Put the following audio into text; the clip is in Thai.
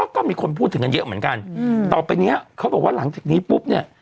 ก็มีคนพูดถึงกันเยอะเหมือนกันต่อไปเนี้ยเขาบอกว่าหลังจากนี้ปุ๊บเนี่ย